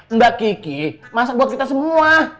mbak kiki masak buat kita semua